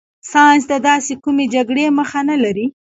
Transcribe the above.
ساینس د داسې کومې جګړې مخه نه لري.